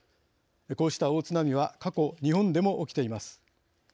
こうした大津波は、過去日本でも起きています。